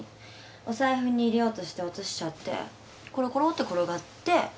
お財布に入れようとして落としちゃってころころって転がって消えた。